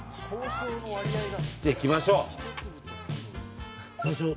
じゃあいきましょう。